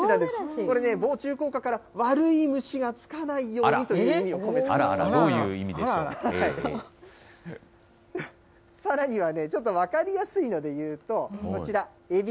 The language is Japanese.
これね、防虫効果から、悪い虫がつかないようにという意味を込めあらあら、どういう意味でしさらにはね、ちょっと分かりやすいのでいうと、こちら、えび。